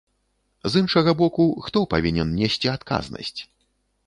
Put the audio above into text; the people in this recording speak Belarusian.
З іншага боку, хто павінен несці адказнасць?